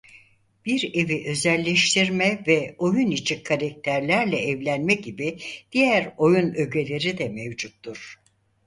Bir evi özelleştirme ve oyun içi karakterlerle evlenme gibi diğer oyun öğeleri de mevcuttur.